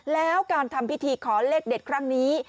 แล้วการทำพิธีขอเลขเด็ดครั้งนี้